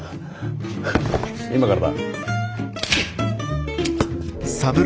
今からだ。